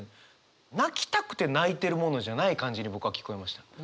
泣きたくて泣いてるものじゃない感じに僕は聞こえました。